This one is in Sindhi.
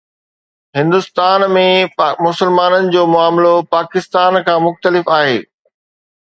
هندستان ۾ مسلمانن جو معاملو پاڪستان کان مختلف آهي.